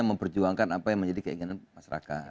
memperjuangkan apa yang menjadi keinginan masyarakat